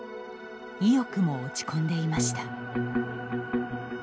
意欲も落ち込んでいました。